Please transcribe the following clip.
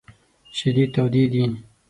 شیدې تودې دي !